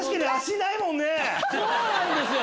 そうなんですよ！